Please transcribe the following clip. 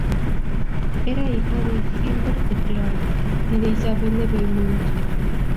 Era hijo de Gilbert de Clare y de Isabel de Beaumont.